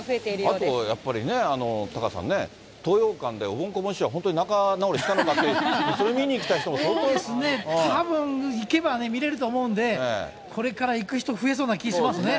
あとやっぱりね、タカさんね、東洋館でおぼんこぼん師匠は本当に仲直りしたのかって、それ見にたぶん行けば見れると思うんで、これから行く人、増えそうな気、しますね。